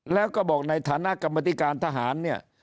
แล้วก็บอกในฐานะกรรมธิการทหารเนี่ย